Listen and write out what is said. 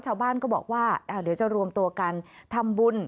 ชาวบ้านก็บอกว่าเดี๋ยวจะรวมตัวกันทำบุญ